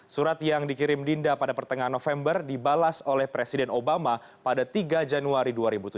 surat yang dikirim dinda pada pertengahan november dibalas oleh presiden obama pada tiga januari dua ribu tujuh belas